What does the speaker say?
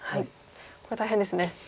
これ大変ですね。